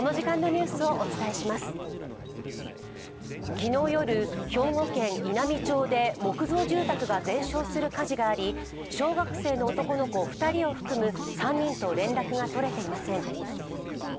昨日夜、兵庫県稲美町岡で木造住宅が全焼する火事があり小学生の男の子２人を含む３人と連絡が取れていません。